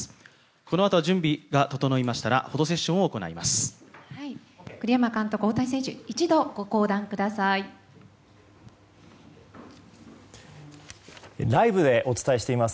このあと準備が整いましたらフォトセッションを行います。